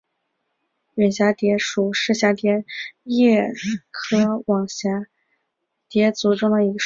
远蛱蝶属是蛱蝶亚科网蛱蝶族中的一个属。